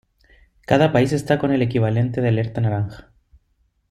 Cada país está con el equivalente de alerta naranja.